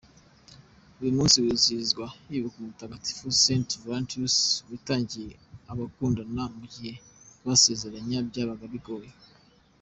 Uyu munsi wizihizwa hibukwa umutagatifu Saint Valentinus, witangiye abakundana mu gihe kubasezeranya byabaga bigoye.